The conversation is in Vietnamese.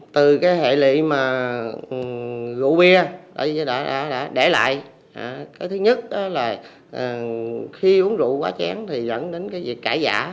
từ hệ lị rượu bia để lại thứ nhất là khi uống rượu quá chén thì dẫn đến cái việc cãi vã